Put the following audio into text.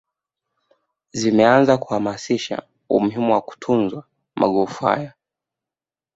zimeanza kuhamasisha umuhimu wa kutunzwa magofu haya